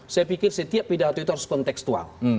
saya pikir setiap pidato itu harus konteksual